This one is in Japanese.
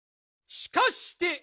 しかして！